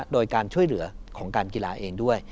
โดยการช่วยเหลือของการกีฬาเองด้วย